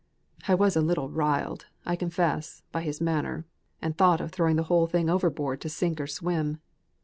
I was a little 'riled,' I confess, by his manner, and thought of throwing the whole thing overboard to sink or swim.